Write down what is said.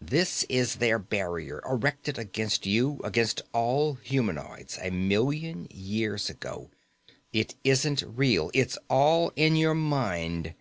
This is their barrier, erected against you, against all humanoids, a million years ago. It isn't real. It's all in your mind.